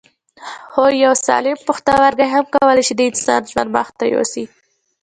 هو یو سالم پښتورګی هم کولای شي د انسان ژوند مخ ته یوسي